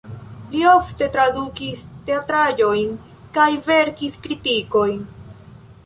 Li ofte tradukis teatraĵojn kaj verkis kritikojn.